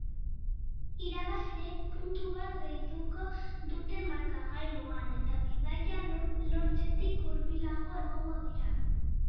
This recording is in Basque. Irabazleek puntu bat gehituko dute markagailuan, eta bidaia lortzetik hurbilago egongo dira.